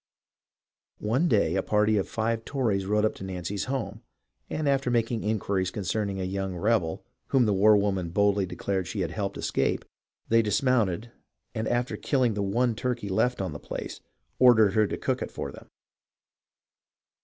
One day a party of five Tories rode up to Nancy's home, and after making inquiries concerning a young rebel, whom the war woman boldly declared she had helped escape, they dismounted and after killing the one turkey left on the place, ordered her to cook it for them.